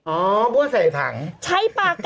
โอเคโอเคโอเค